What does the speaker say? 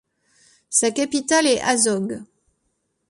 Sa capitale est Azogues.